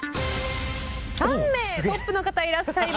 ３名トップの方いらっしゃいます。